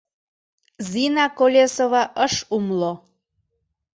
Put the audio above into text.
— Зина Колесова ыш умло.